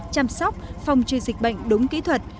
chăm sóc phòng trừ dịch bệnh đúng kỹ thuật